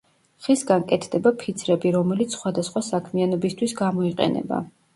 ხისგან კეთდება ფიცრები, რომელიც სხვადასხვა საქმიანობისთვის გამოიყენება.